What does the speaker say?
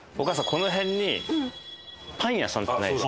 この辺にパン屋さんってないですか？